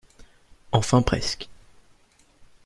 Enfin presque.